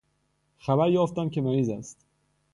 خبر یافتم که مریض است.